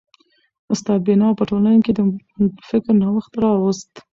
استاد بينوا په ټولنه کي د فکر نوښت راوست.